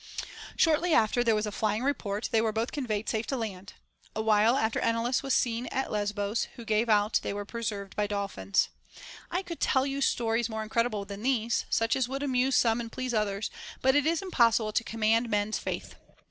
Shortly after there was a flying report they were both conveyed safe to land. A while after Enalus was seen at Lesbos, who gave out they were preserved by dolphins. I could tell you stories THE BANQUET OF THE SEVEN WISE MEN. 39 more incredible than these, such as would amuse some and please others ; but it is impossible to command men's faith.